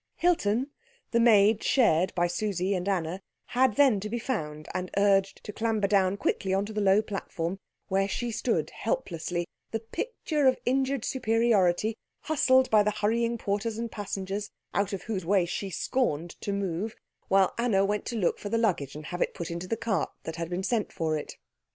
Hilton, the maid shared by Susie and Anna, had then to be found and urged to clamber down quickly on to the low platform, where she stood helplessly, the picture of injured superiority, hustled by the hurrying porters and passengers, out of whose way she scorned to move, while Anna went to look for the luggage and have it put into the cart that had been sent for it.